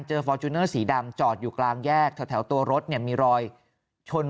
ฟอร์จูเนอร์สีดำจอดอยู่กลางแยกแถวตัวรถเนี่ยมีรอยชน